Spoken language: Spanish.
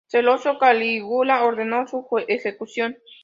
Celoso, Calígula ordenó su ejecución.